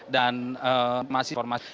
dan masih dikonfirmasi